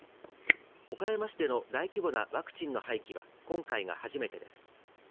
岡山市での大規模なワクチンが廃棄は今回が初めてです。